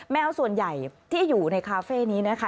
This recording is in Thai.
แมวส่วนใหญ่ที่อยู่ในคาเฟ่นี้นะคะ